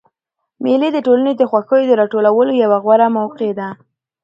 مېلې د ټولني د خوښیو د راټولولو یوه غوره موقع ده.